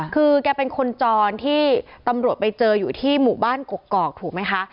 คือแกเป็นคนจรที่ตำรวจไปเจออยู่ที่หมู่บ้านกกอกถูกไหมคะ